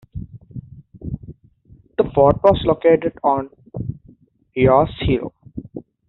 The fort was located on Deyo's Hill.